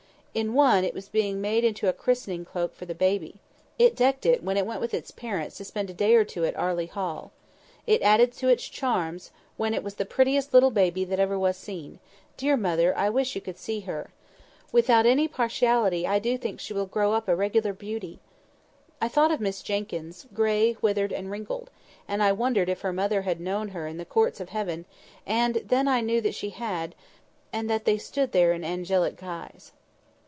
In one, it was being made into a christening cloak for the baby. It decked it when it went with its parents to spend a day or two at Arley Hall. It added to its charms, when it was "the prettiest little baby that ever was seen. Dear mother, I wish you could see her! Without any pershality, I do think she will grow up a regular bewty!" I thought of Miss Jenkyns, grey, withered, and wrinkled, and I wondered if her mother had known her in the courts of heaven: and then I knew that she had, and that they stood there in angelic guise.